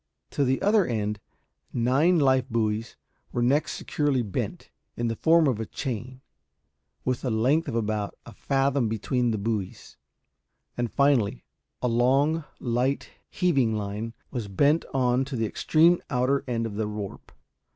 To the other end nine life buoys were next securely bent, in the form of a chain, with a length of about a fathom between the buoys; and, finally, a long light heaving line was bent on to the extreme outer end of the warp.